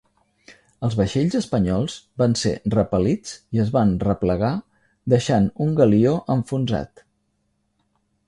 Els vaixells espanyols van ser repel·lits i es van replegar deixant un galió enfonsat.